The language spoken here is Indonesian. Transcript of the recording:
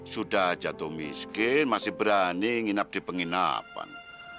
sudah jatuh miskin masih berani nginap di penginapan